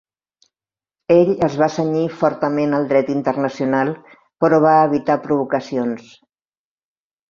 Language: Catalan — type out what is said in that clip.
Ell es va cenyir fortament al dret internacional, però va evitar provocacions.